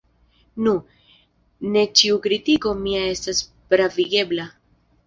Nu, ne ĉiu kritiko mia estas pravigebla.